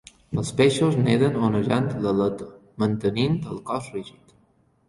Els peixos neden onejant l'aleta, mantenint el cos rígid.